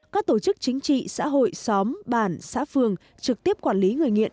các tổ chức chính trị xã hội xóm bản xã phường trực tiếp quản lý người nghiện